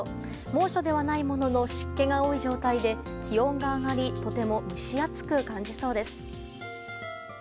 猛暑ではないものの湿気が多い状態で気温が上がりとても蒸し暑く感じそうです。